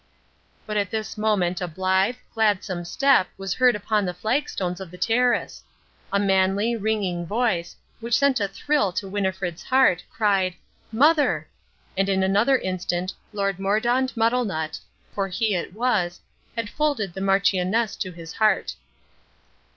But at this moment a blithe, gladsome step was heard upon the flagstones of the terrace. A manly, ringing voice, which sent a thrill to Winnifred's heart, cried "Mother!" and in another instant Lord Mordaunt Muddlenut, for he it was, had folded the Marchioness to his heart.